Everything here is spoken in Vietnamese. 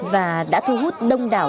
và đã thu hút đông đảo